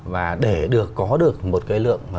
và để có được một cái lượng